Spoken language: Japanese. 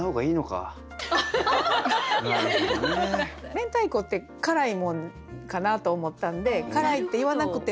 明太子って辛いもんかなと思ったんで「辛い」って言わなくても。